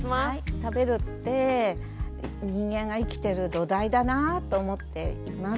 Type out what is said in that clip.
食べるって人間が生きてる土台だなぁと思っています。